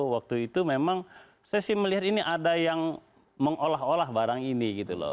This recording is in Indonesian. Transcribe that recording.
waktu itu memang saya sih melihat ini ada yang mengolah olah barang ini gitu loh